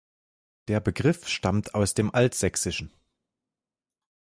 Der Begriff stammt aus dem Altsächsischen.